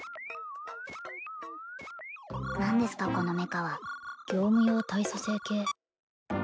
何ですかこのメカは業務用体組成計